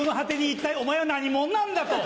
「一体お前は何者なんだ？」と。